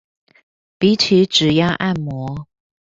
比起指壓按摩